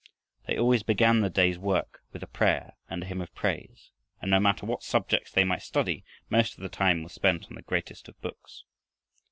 They always began the day's work with a prayer and a hymn of praise, and no matter what subjects they might study, most of the time was spent on the greatest of books.